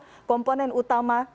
memperkuat di sektor komponen utama